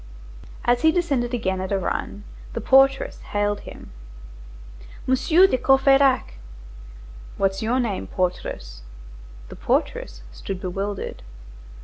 As he descended again at a run, the portress hailed him:— "Monsieur de Courfeyrac!" "What's your name, portress?" The portress stood bewildered.